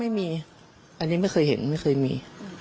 ไม่มีอันนี้ไม่เคยเห็นไม่เคยมี